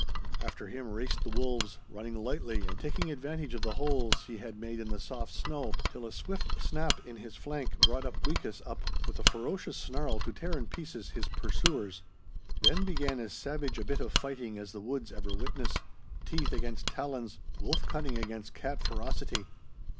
After him raced the wolves, running lightly and taking advantage of the holes he had made in the soft snow, till a swift snap in his flank brought Upweekis up with a ferocious snarl to tear in pieces his pursuers. Then began as savage a bit of fighting as the woods ever witness, teeth against talons, wolf cunning against cat ferocity.